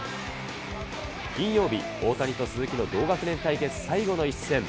金曜日、大谷と鈴木の同学年対決最後の一戦。